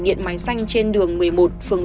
điện máy xanh trên đường một mươi một phường